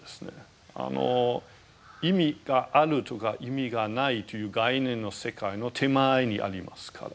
意味があるとか意味がないという概念の世界の手前にありますから。